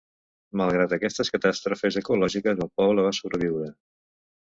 Malgrat aquestes catàstrofes ecològiques, el poble va sobreviure.